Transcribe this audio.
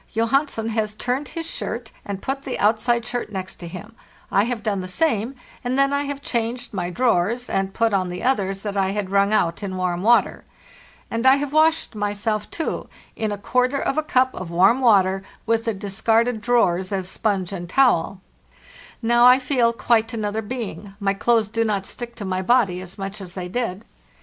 Johansen has TAND. AT LAST 449 turned his shirt and put the outside shirt next him; I have done the same, and then I have changed my draw ers, and put on the others that I had wrung out in warm water. And I have washed myself, too, in a quarter of a cup of warm water, with the discarded drawers as sponge and towel. Now I feel quite another being; my clothes do not stick to my body as much as they did.